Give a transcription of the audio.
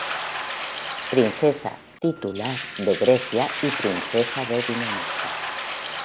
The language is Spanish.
Princesa "titular" de Grecia y princesa de Dinamarca.